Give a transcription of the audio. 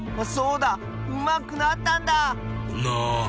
そうだうまくなったんだ！な。